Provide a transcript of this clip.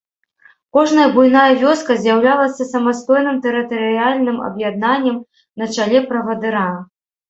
Кожная буйная вёска з'яўлялася самастойным тэрытарыяльным аб'яднаннем на чале правадыра.